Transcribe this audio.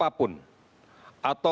meskipun tidak ada keluhan sakit apapun